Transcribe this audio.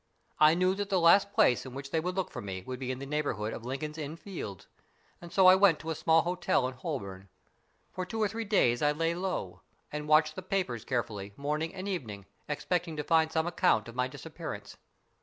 I knew that the last place in which they would look for me would be in the neighbourhood of Lincoln's Inn Fields, and so I went to a small hotel in Holborn. For two or three days I lay low and watched the papers carefully morning and evening, expecting to find some account of my disappearance.